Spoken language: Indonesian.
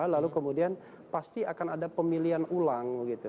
lalu kemudian pasti akan ada pemilihan ulang gitu